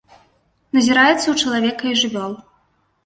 Назіраецца ў чалавека і жывёл.